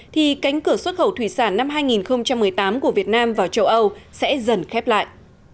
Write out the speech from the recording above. thì cánh cửa xuất khẩu thủy sản năm hai nghìn một mươi tám của việt nam vào châu âu sẽ dần khép lại